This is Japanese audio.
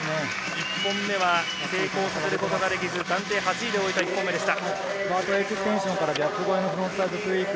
１本目は成功させることができず暫定８位で終えた１本目でした。